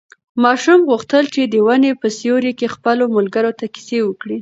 ماشوم غوښتل چې د ونې په سیوري کې خپلو ملګرو ته کیسې وکړي.